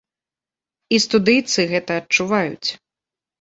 І студыйцы гэта адчуваюць.